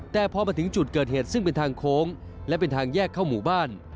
แต่พอมาถึงจุดเกิดเหตุซึ่งเป็นทางโค้งและเป็นทางแยกเข้าหมู่บ้าน